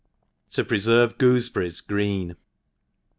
^0 preferve Gooseberries green.